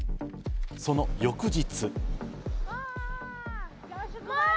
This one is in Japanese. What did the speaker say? その翌日。